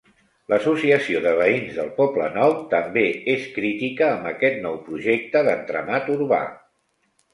L'associació de veïns del Poblenou també és crítica amb aquest nou projecte d'entramat urbà.